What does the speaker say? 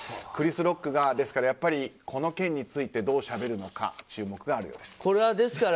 クリス・ロックがやっぱりこの件についてどうしゃべるのか注目があるようです。